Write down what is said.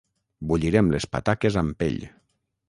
Bullirem les pataques amb pell.